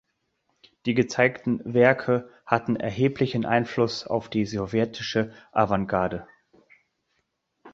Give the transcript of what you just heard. Die gezeigten Werke hatten erheblichen Einfluss auf die Sowjetische Avantgarde.